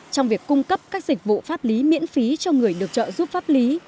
trong việc cung cấp các dịch vụ pháp lý miễn phí cho người được trợ giúp pháp lý